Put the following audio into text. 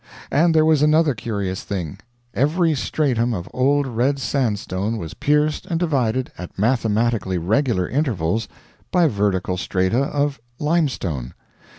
And there was another curious thing: every stratum of Old Red Sandstone was pierced and divided at mathematically regular intervals by vertical strata of limestone.